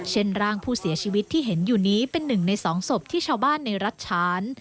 เช่นร่างผู้เสียชีวิตที่เห็นอยู่นี้เป็นหนึ่งในสองศพที่ชาวบ้านในรัฐฉาน